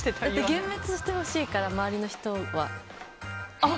幻滅してほしいから周りの人は。